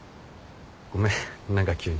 ごめん何か急に。